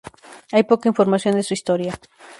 Hay poca información de su historia.